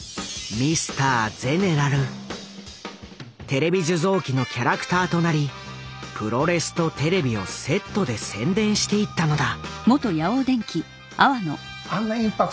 テレビ受像機のキャラクターとなりプロレスとテレビをセットで宣伝していったのだ。